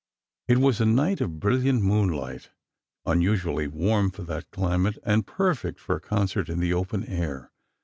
It was a night of brilliant moonlight, unusually warm for that climate and perfect for a concert in the open air.